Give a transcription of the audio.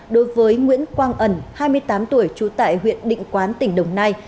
đối với nguyễn quang ẩn hai mươi tám tuổi trú tại huyện định quán tỉnh đồng nai